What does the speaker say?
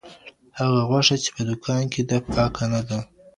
هغه غوښه چې په دوکان کې ده، پاکه نه ده.